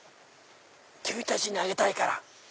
君たちにあげたいから。